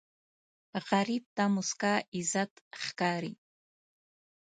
غریب ته موسکا عزت ښکاري